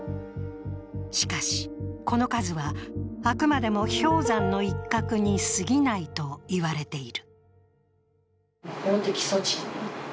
しかし、この数はあくまでも氷山の一角にすぎないと言われている。